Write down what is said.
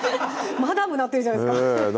マダムなってるじゃないですか